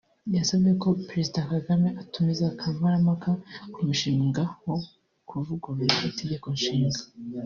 yasabye ko Perezida Kagame atumiza Kamparampaka k’umushinga wo kuvugurura itegekonshinga